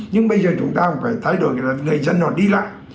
nhưng bây giờ chúng ta phải thay đổi là người dân họ đi lại